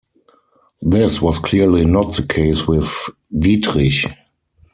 This was clearly not the case with Dietrich.